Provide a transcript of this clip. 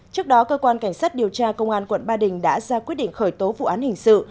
trước đó cơ quan cảnh sát điều tra công an quận ba đình đã ra quyết định khởi tố vụ án hình sự